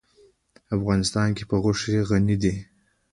افغانستان په غوښې غني دی.